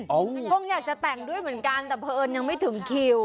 คงอยากจะแต่งด้วยเหมือนกันแต่เผอิญยังไม่ถึงคิว